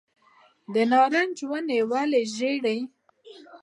د نارنج ونې ولې ژیړیږي؟